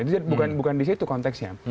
itu bukan di situ konteksnya